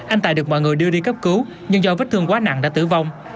anh tài được mọi người đưa đi cấp cứu nhưng do vết thương quá nặng đã tử vong